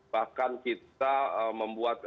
bahkan kita membuat